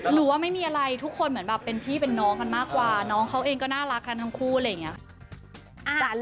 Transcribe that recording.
หรือว่าไม่มีอะไรทุกคนเหมือนแบบเป็นพี่เป็นน้องกันมากกว่าน้องเขาเองก็น่ารักกันทั้งคู่อะไรอย่างนี้